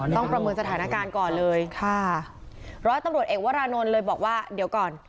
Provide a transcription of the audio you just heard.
ประเมินสถานการณ์ก่อนเลยค่ะร้อยตำรวจเอกวรานนท์เลยบอกว่าเดี๋ยวก่อน